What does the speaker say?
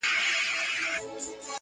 o دلته ولور گټمه.